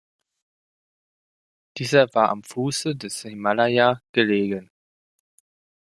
Dieser war am Fuße des Himalaya gelegen.